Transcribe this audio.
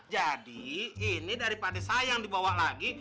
jadi ini daripada saya yang dibawa lagi